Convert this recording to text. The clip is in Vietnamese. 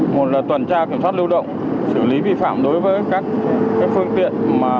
một là tuần tra kiểm soát lưu động xử lý vi phạm đối với các phương tiện